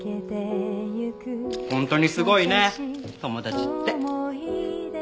本当にすごいね友達って。